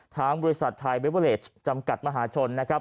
ทั้งบริษัทไทยเบเวอเรจจำกัดมหาชน